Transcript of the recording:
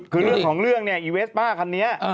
คือเรื่องของเรื่องเนี่ยอีเวสป้าคันนี้